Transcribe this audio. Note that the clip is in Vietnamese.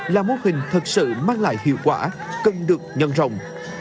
là mô hình thật sự mang lại hiệu quả cần được nhân rồng